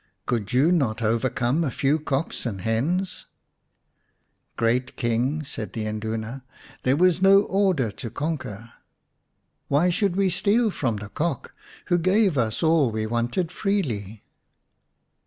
Could you not overcome a few cocks and hens ?"" Great King," said the Induna, " there was no order to conquer. Why should we steal from the Cock, who gave us all we wanted freely